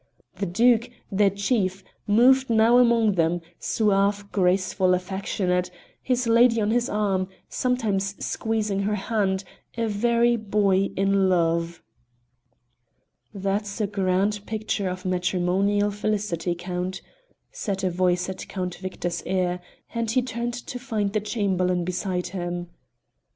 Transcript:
The Duke, their chief, moved now among them suave, graceful, affectionate, his lady on his arm, sometimes squeezing her hand, a very boy in love! "That's a grand picture of matrimonial felicity, Count," said a voice at Count Victor's ear, and he turned to find the Chamberlain beside him.